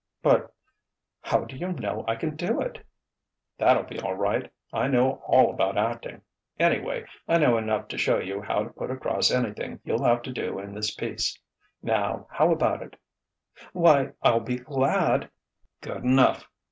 "But how do you know I can do it?" "That'll be all right. I know all about acting anyway, I know enough to show you how to put across anything you'll have to do in this piece. Now how about it?" "Why, I'll be glad " "Good enough.